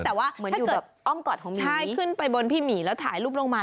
เหมือนอยู่อ้อมกอดของหมีนี้ใช่ขึ้นไปบนพี่หมีแล้วถ่ายรูปลงมา